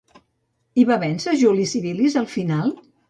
I va vèncer Juli Civilis al final?